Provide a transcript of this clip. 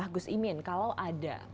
gus imin kalau ada